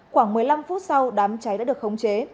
khoảng một mươi năm phút sau đám cháy đã được khống chế